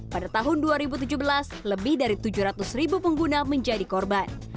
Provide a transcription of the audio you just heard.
pada tahun dua ribu tujuh belas lebih dari tujuh ratus ribu pengguna menjadi korban